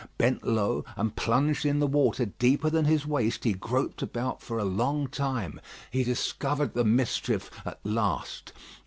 Bent low, and plunged in the water deeper than his waist he groped about for a long time. He discovered the mischief at last.